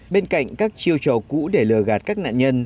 bên cạnh các chiêu trò cũ để lừa gạt các nạn nhân